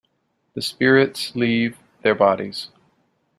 The spirits leave their bodies.